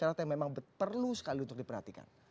prasyarat prasyarat yang memang perlu sekali untuk diperhatikan